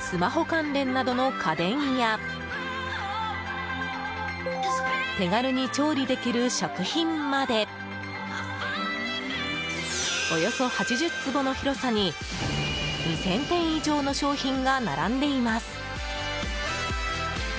スマホ関連などの家電や手軽に調理できる食品までおよそ８０坪の広さに２０００点以上の商品が並んでいます。